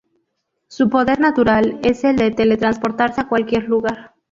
Su poder natural es el de teletransportarse a cualquier lugar.